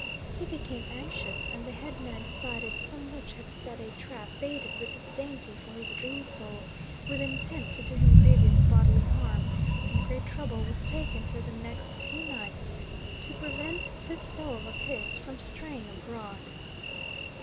He became anxious, and the headman decided some witch had set a trap baited with this dainty for his dream soul, with intent to do him grievous bodily harm, and great trouble was taken for the next few nights to prevent this soul of his from straying abroad.